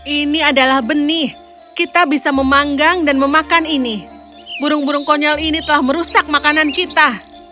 ini adalah benih kita bisa memanggang dan memakan ini burung burung konyol ini telah merusak makanan kita